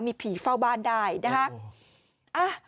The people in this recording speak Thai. มีผีเฝ้าบ้านได้นะคะ